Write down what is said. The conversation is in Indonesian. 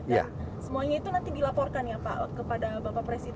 dan semuanya itu nanti dilaporkan ya pak kepada bapak presiden